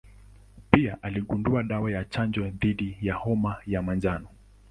Pia aligundua dawa ya chanjo dhidi ya homa ya manjano.